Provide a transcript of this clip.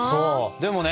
でもね